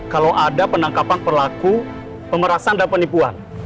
kalau ada penangkapan pelaku pemerasan dan penipuan